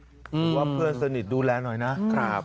หรือว่าเพื่อนสนิทดูแลหน่อยนะครับ